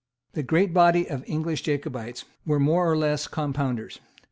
The great body of the English Jacobites were more or less Compounders.